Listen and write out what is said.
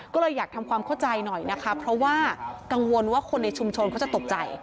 ก็เลยอยากทำความเข้าใจหน่อยนะคะเพราะว่ากังวลว่าคนในชุมชนเขาจะตกใจ